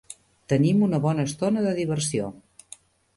Tenim una bona estona de diversió.